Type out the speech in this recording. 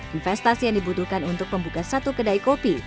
investasi yang dibutuhkan untuk membuka satu kedai kopi